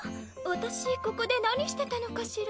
私ここで何してたのかしら？